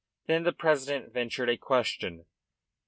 Then the president ventured a question.